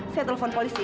saya telepon polisi ya